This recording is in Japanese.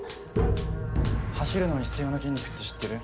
走るのに必要な筋肉って知ってる？